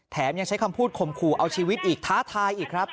ยังใช้คำพูดข่มขู่เอาชีวิตอีกท้าทายอีกครับ